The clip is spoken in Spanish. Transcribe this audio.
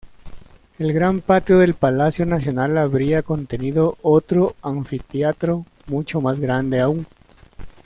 El gran patio del Palacio nacional habría contenido otro anfiteatro mucho más grande aún.